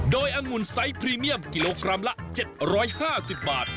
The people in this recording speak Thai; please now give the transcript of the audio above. โดยอังุ่นไซส์พรีเมียมกิโลกรัมละ๗๕๐บาท